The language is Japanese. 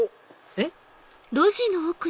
えっ？